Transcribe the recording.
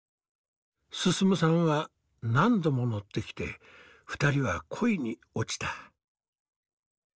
進さんは何度も乗ってきて２人は恋に落ちた。